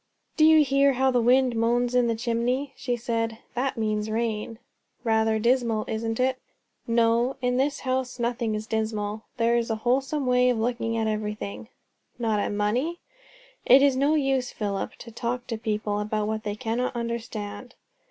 "Do you hear how the wind moans in the chimney?" she said. "That means rain." "Rather dismal, isn't it?" "No. In this house nothing is dismal. There is a wholesome way of looking at everything." "Not at money?" "It is no use, Philip, to talk to people about what they cannot understand."